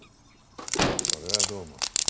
それはどうも。